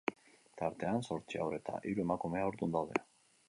Tartean, zortzi haur eta hiru emakume haurdun daude.